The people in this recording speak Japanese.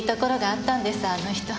あの人。